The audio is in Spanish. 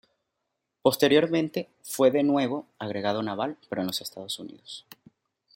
Posteriormente fue de nuevo agregado naval pero en los Estados Unidos.